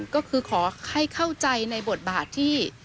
ก็คือขอให้เข้าใจในบทบาทที่